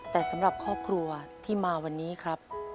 แต่สำหรับครอบครัวที่มาวันนี้ครับ